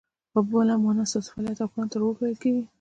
په بله مانا، ستاسو فعالیت او کړنو ته رول ویل کیږي.